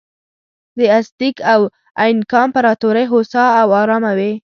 د ازتېک او اینکا امپراتورۍ هوسا او ارامه وې.